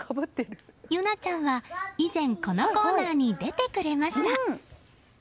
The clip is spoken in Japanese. ユナちゃんは以前このコーナーに出てくれました。